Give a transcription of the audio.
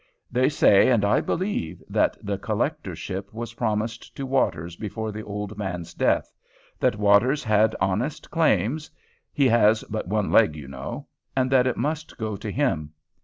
They say and I believe that the collectorship was promised to Waters before the old man's death, that Waters had honest claims, he has but one leg, you know, and that it must go to him.